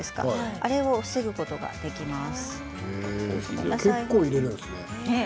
あれを防ぐことができます。